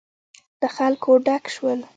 له خلکو ډک شول.